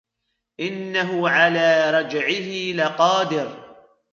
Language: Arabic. إِنَّهُ عَلَى رَجْعِهِ لَقَادِرٌ